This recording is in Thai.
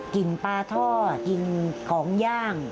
กินปลาท่อกินของย่าง